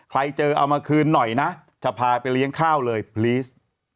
เจอเอามาคืนหน่อยนะจะพาไปเลี้ยงข้าวเลยพลีส